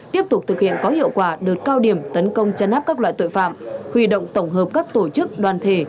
tiếp tục thực hiện có hiệu quả đợt cao điểm tấn công chấn áp các loại tội phạm huy động tổng hợp các tổ chức đoàn thể